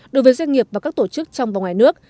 đối với doanh nghiệp và các tổ chức trong và ngoài nước